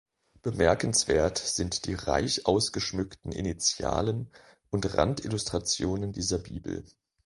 Bemerkenswert sind die reich ausgeschmückten Initialen und Rand-Illustrationen dieser Bibel.